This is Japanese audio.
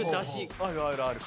あるあるある。